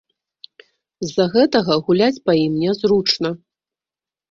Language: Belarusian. З-за гэта гуляць па ім нязручна.